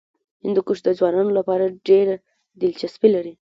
هندوکش د ځوانانو لپاره ډېره دلچسپي لري.